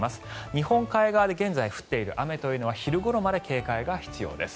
日本海側で現在降っている雨というのは昼頃まで警戒が必要です。